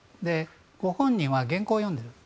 ご本人は原稿を読んでいる。